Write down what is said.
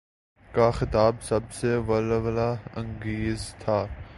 کا خطاب سب سے ولولہ انگیز تھا۔